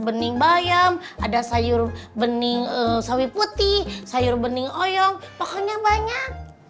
bening bayam ada sayur bening sawi putih sayur bening oyong pohonnya banyak